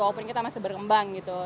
walaupun kita masih berkembang gitu